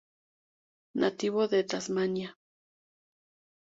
Nativo de Tasmania.